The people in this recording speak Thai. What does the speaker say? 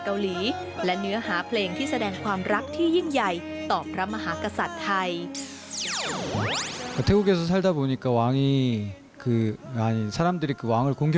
เกาหลีและเนื้อหาเพลงที่แสดงความรักที่ยิ่งใหญ่ต่อพระมหากษัตริย์ไทย